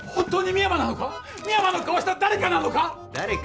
深山の顔した誰かなのか？